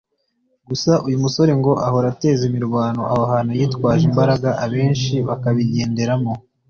gusa uyu musore ngo ahora ateza imirwano aho hantu yitwaje imbaraga abenshi bakabigenderamo